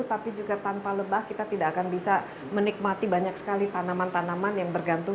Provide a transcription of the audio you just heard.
tapi juga tanpa lebah kita tidak akan bisa menikmati banyak sekali tanaman tanaman yang bergantung